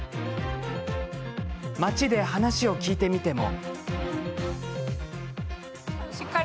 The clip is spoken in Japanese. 街で話を聞いてみても。